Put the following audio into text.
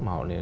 mà họ nên